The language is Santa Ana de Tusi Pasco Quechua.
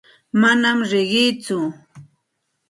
Manam riqiitsu.